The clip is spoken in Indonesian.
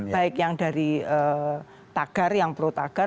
baik yang dari tagar yang protagar